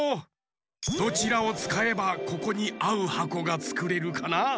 どちらをつかえばここにあうはこがつくれるかな？